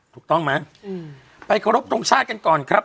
ถูกต้องไหมไปขอรบทรงชาติกันก่อนครับ